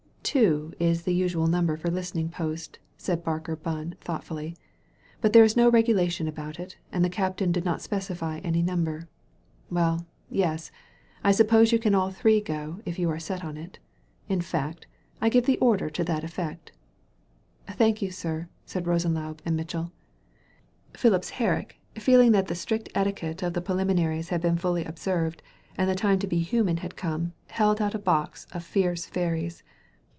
"Two is the usual number for a listening post, said Barker Bunn thoughtfully. "But there is no regulation about it, and the captain did not specify any number. Well, yes, I suppose you can all three go, if you are set on it. In fact, I give the order to that eflFect. "Thank you, sir, said Rosenlaube and Mitchell. Fhipps Herrick, feeling that the strict etiquette of 149 THE VALLEY OF VISION the preliminaries had been fully observed and the time to be human had come, held out a box of "Fierce Fairies."